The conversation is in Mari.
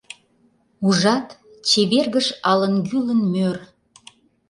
Ужат, чевергыш алын-гӱлын мӧр.